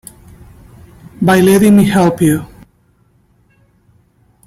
By letting me help you.